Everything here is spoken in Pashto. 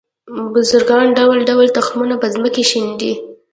بزګران ډول ډول تخمونه په ځمکو شیندي